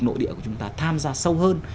nội địa của chúng ta tham gia sâu hơn